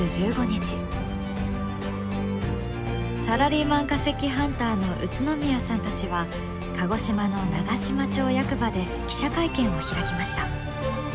サラリーマン化石ハンターの宇都宮さんたちは鹿児島の長島町役場で記者会見を開きました。